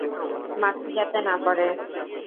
মাছি যাতে না পড়ে।